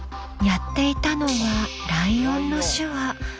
やっていたのはライオンの手話。